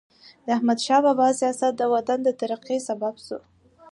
د احمدشاه بابا سیاست د وطن د ترقۍ سبب سو.